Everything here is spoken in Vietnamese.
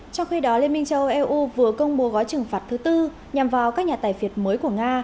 trong khi đó liên minh châu âu eu vừa công bố gói trừng phạt thứ tư nhằm vào các nhà tài phiệt mới của nga